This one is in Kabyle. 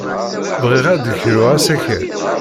Bɣiɣ ad d-kruɣ asakal.